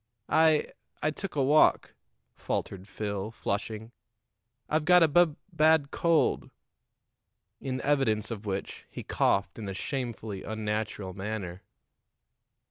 "I I took a walk," faltered Phil, flushing. "I've got a bub bad cold." In evidence of which, he coughed in a shamefully unnatural manner.